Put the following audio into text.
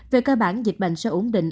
về cơ bản dịch bệnh sẽ ổn định